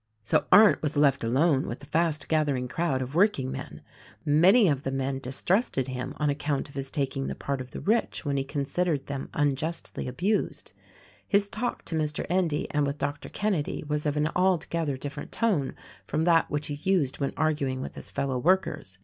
So Arndt was left alone with the fast gathering crowd of workingmen. Many of the men distrusted him on account of his taking the part of the rich when he con sidered them unjustly abused. His talk to Mr. Endy and with Doctor Kenedy was of an altogether different tone from that which he used when arguing with his fellow workers.